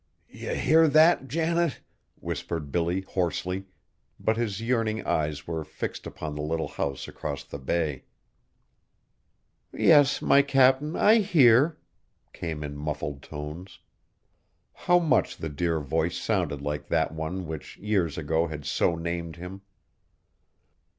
"Ye hear that, Janet?" whispered Billy hoarsely, but his yearning eyes were fixed upon the little house across the bay. "Yes, my Cap'n, I hear," came in muffled tones. How much the dear voice sounded like that one which years ago had so named him!